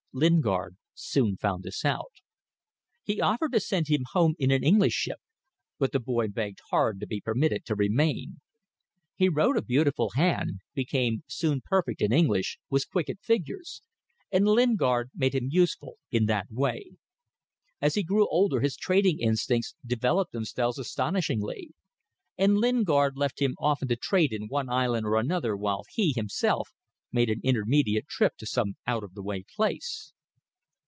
Lingard soon found this out. He offered to send him home in an English ship, but the boy begged hard to be permitted to remain. He wrote a beautiful hand, became soon perfect in English, was quick at figures; and Lingard made him useful in that way. As he grew older his trading instincts developed themselves astonishingly, and Lingard left him often to trade in one island or another while he, himself, made an intermediate trip to some out of the way place.